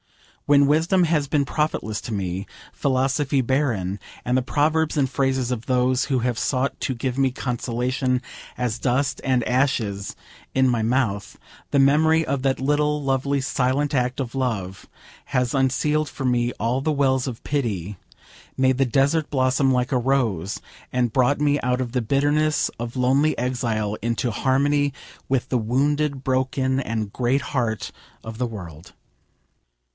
When wisdom has been profitless to me, philosophy barren, and the proverbs and phrases of those who have sought to give me consolation as dust and ashes in my mouth, the memory of that little, lovely, silent act of love has unsealed for me all the wells of pity: made the desert blossom like a rose, and brought me out of the bitterness of lonely exile into harmony with the wounded, broken, and great heart of the world.